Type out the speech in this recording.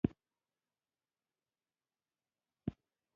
دا دوه ورځې کېږي زه له ځان سره یو بکس ګرځوم.